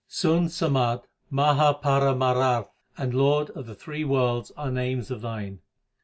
Sun Samadh, 1 Mahaparamarath, 2 and Lord of the three worlds are names of Thine.